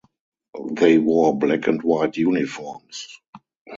They wore black and white uniforms.